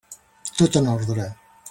Tot en ordre.